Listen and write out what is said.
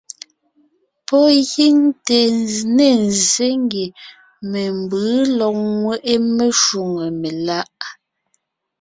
Pɔ́ gíŋ te ne ńzsé ngie membʉ̌ lɔg ńŋweʼe meshwóŋè meláʼ.